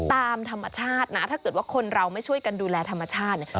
ตามธรรมชาตินะถ้าเกิดว่าคนเราไม่ช่วยกันดูแลธรรมชาติเนี่ย